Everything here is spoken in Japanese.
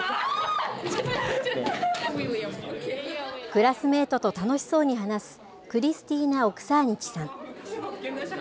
クラスメートと楽しそうに話す、クリスティーナ・オクサーニチさん。